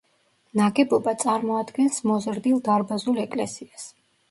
ნაგებობა წარმოადგენს მოზრდილ დარბაზულ ეკლესიას.